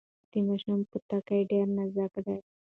د ماشوم پوټکی ډیر نازک دی۔